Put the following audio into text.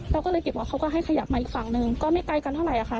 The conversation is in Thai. เราก็เลยเก็บว่าเขาก็ให้ขยับมาอีกฝั่งหนึ่งก็ไม่ไกลกันเท่าไหร่ค่ะ